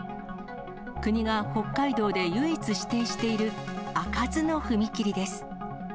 国が北海道で唯一指定している、開かずの踏切です。